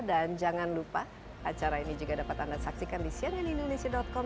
dan jangan lupa acara ini juga dapat anda saksikan di cnnindonesia com